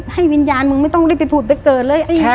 ให้วิญญาณไม่ต้องได้ผูดไปเกิดเลย